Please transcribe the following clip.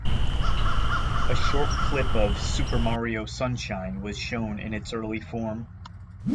A short clip of "Super Mario Sunshine" was shown in its early form.